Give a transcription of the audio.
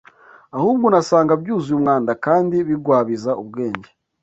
ahubwo unasanga byuzuye umwanda kandi bigwabiza ubwenge